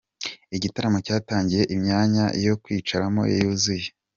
Igitaramo cyatangiye imyanya yo kwicaramo yuzuye.